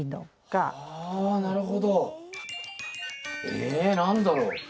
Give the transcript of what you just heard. え何だろう？